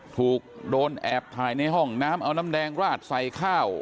ถูกโดนแอบถ่ายในห้องน้ำเอาน้ำแดงราดใส่ข้าว